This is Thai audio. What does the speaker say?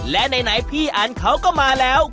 และไหนพี่อันเขาก็มาแล้ว